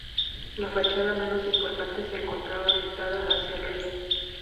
La fachada menos importante se encontraba orientada hacia el río.